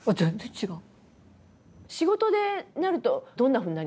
違う！